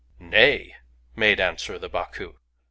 "Nay!" made answer the Baku.